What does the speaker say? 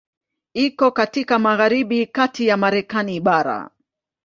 Iko katika magharibi kati ya Marekani bara.